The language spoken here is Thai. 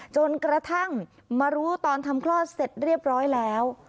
จนกระทั่งมารู้ตอนทำคลอดเสร็จเรียบร้อยแล้ว